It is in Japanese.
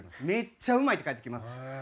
めっちゃうまいって返ってきます。